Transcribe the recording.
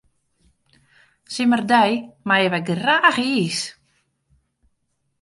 Simmerdei meie wy graach iis.